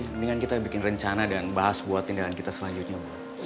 mendingan kita bikin rencana dan bahas buat tindakan kita selanjutnya